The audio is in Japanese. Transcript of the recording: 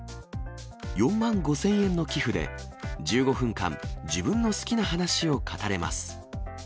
４万５０００円の寄付で、１５分間、自分の好きな話を語れます。